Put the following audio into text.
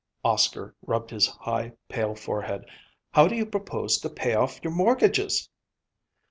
Oscar rubbed his high, pale forehead. "How do you propose to pay off your mortgages?"